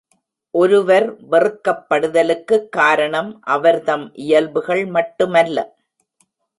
ஒருவர் வெறுக்கப்படுதலுக்குக் காரணம் அவர்தம் இயல்புகள் மட்டுமல்ல.